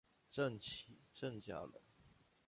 郑琦郑家人。